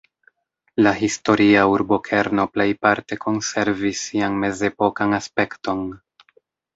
La historia urbokerno plejparte konservis sian mezepokan aspekton.